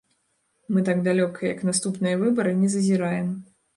Мы так далёка, як наступныя выбары, не зазіраем.